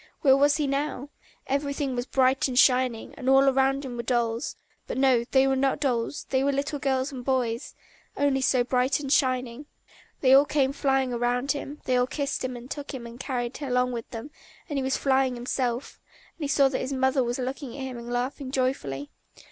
Where was he now? Everything was bright and shining, and all round him were dolls; but no, they were not dolls, they were little boys and girls, only so bright and shining. They all came flying round him, they all kissed him, took him and carried him along with them, and he was flying himself, and he saw that his mother was looking at him and laughing joyfully.